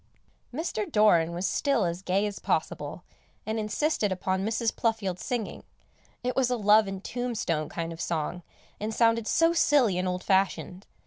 Mr. Doran was still as gay as possible, and insisted upon Mrs. Pluffield singing; it was a love and tombstone kind of song, and sounded so silly and old fashioned.